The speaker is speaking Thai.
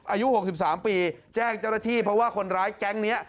อายุ๖๓ปีแจ้งเจ้าหน้าที่เพราะว่าคนร้ายแก๊งนี้